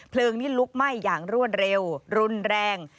นี้ลุกไหม้อย่างรวดเร็วรุนแรง